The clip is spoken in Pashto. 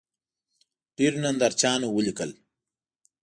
ډېرو نندارچیانو ولیکل